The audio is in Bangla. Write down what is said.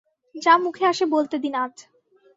যা মুখে আসে বলতে দিন আজ।